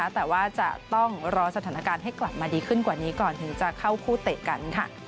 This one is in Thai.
แต่ว่าจะต้องรอสถานการณ์ให้กลับมาดีขึ้นกว่านี้ก่อนถึงจะเข้าคู่เตะกัน